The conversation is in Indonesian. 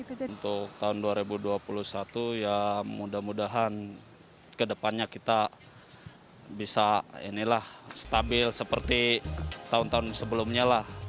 untuk tahun dua ribu dua puluh satu ya mudah mudahan kedepannya kita bisa stabil seperti tahun tahun sebelumnya lah